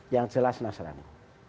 yang jelas nasrani